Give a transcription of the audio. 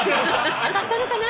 当たったのかな？